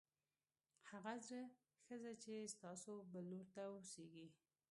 هغه زړه ښځه چې ستاسو بل لور ته اوسېږي